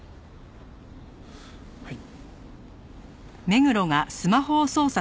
はい。